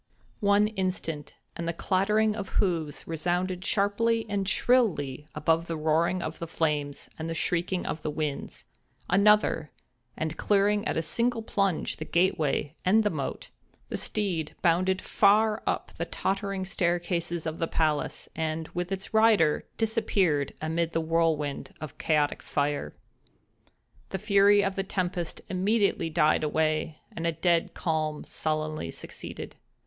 One instant, and the clattering of hoofs resounded sharply and shrilly above the roaring of the flames and the shrieking of the winds—another, and, clearing at a single plunge the gate way and the moat, the steed bounded far up the tottering staircases of the palace, and, with its rider, disappeared amid the whirlwind of chaotic fire. The fury of the tempest immediately died away, and a dead calm sullenly succeeded.